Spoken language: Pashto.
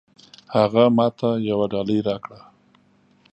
هغه ماته يوه ډالۍ راکړه.